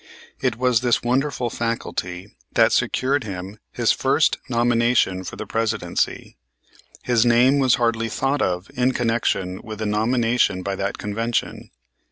It was this wonderful faculty that secured him his first nomination for the Presidency. His name was hardly thought of in connection with the nomination by that convention.